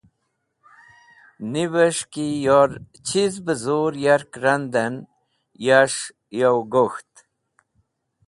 Nivẽs̃h ki yor chiz bẽ zũr yark randẽn yas̃h yo gok̃ht.